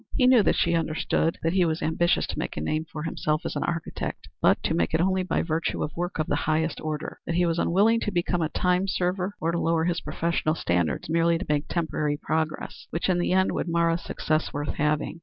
He knew that she understood that he was ambitious to make a name for himself as an architect; but to make it only by virtue of work of a high order; that he was unwilling to become a time server or to lower his professional standards merely to make temporary progress, which in the end would mar a success worth having.